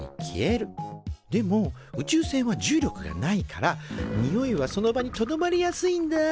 でも宇宙船は重力がないからにおいはその場にとどまりやすいんだ。